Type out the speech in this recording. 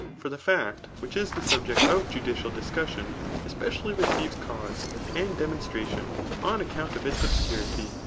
For fhe fact [which is the subject of judicial discussion,] especially receives cause and demonstratioD, on account of its obscurity.